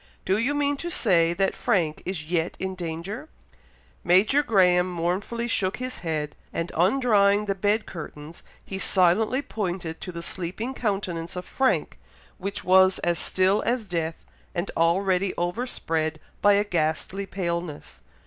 "Do you mean to say that Frank is yet in danger!" Major Graham mournfully shook his head, and undrawing the bed curtains, he silently pointed to the sleeping countenance of Frank, which was as still as death, and already overspread by a ghastly paleness.